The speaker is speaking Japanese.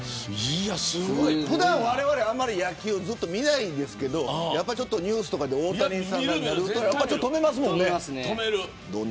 普段われわれはあまり野球を見ないんですけどニュースで大谷さんを見ると止めますもんね。